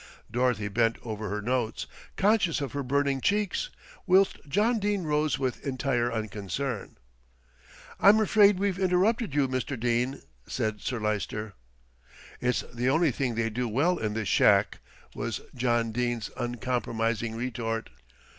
Dorothy bent over her notes, conscious of her burning cheeks, whilst John Dene rose with entire unconcern. "I'm afraid we've interrupted you, Mr. Dene," said Sir Lyster. "It's the one thing they do well in this shack," was John Dene's uncompromising retort.